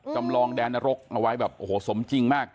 จำลองแดนนรกเอาไว้แบบโอ้โหสมจริงมาก